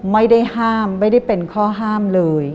ไม่ได้ห้ามไม่ได้เป็นข้อห้ามเลย